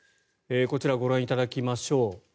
こちら、ご覧いただきましょう。